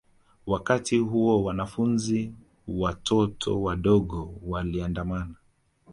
Wakati huo wanafunzi watoto wadogo waliandamana